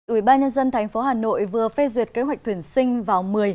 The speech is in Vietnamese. ủy ban nhân dân thành phố hà nội vừa phê duyệt kế hoạch tuyển sinh vào một mươi